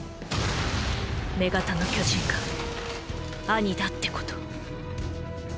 女型の巨人がアニだってこと。